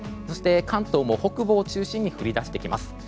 そして関東も北部を中心に降り出してきます。